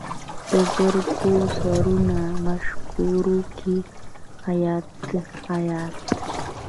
د زرکو سرو مشوکو کې ایات، ایات